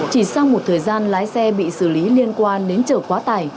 chỉ sau một thời gian lái xe bị xử lý liên quan đến chở quá tải